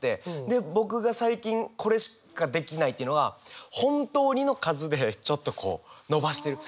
で僕が最近これしかできないというのは「本当に」の数でちょっとのばしてる。